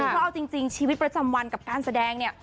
เพราะเอาจริงชีวิตประจำวันกับการแสดงเนี่ย